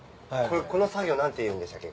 この作業何て言うんでしたっけ？